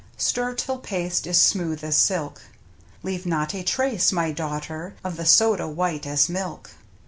Stir till paste is smooth as silk. Leaving not a trace, my daughter, Of the soda white as milk.